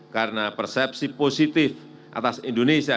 karena persepsi positif atas indonesia